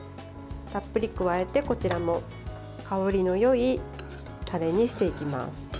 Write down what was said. たっぷり加えて、こちらも香りのよいタレにしていきます。